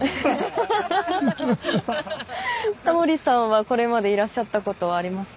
タモリさんはこれまでいらっしゃったことはありますか？